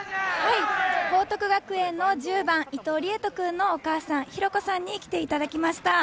◆報徳学園の１０番伊藤利江人君のお母さん、博子さんに来ていただきました。